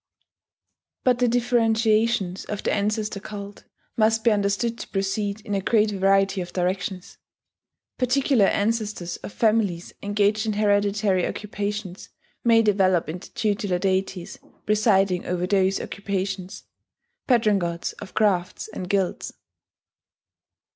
But the differentiations of the ancestor cult must be understood to proceed in a great variety of directions. Particular ancestors of families engaged in hereditary occupations may develop into tutelar deities presiding over those occupations patron gods of crafts and guilds.